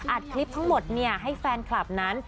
คลิปทั้งหมดให้แฟนคลับนั้น